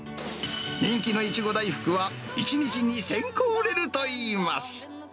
人気の苺大福は、１日２０００個売れるといいます。